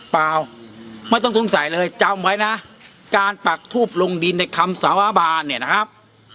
เปล่าไม่ต้องสงสัยเลยจำไว้นะการปักทูบลงดินในคำสาบานเนี่ยนะครับ